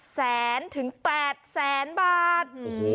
แสนถึง๘แสนบาท